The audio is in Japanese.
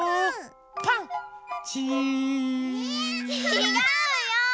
ちがうよ！